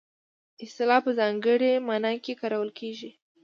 اصطلاح په ځانګړې مانا کې کارول کیږي